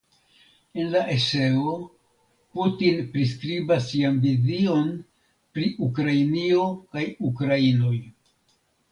En la eseo Putin priskribas sian vizion pri Ukrainio kaj ukrainoj.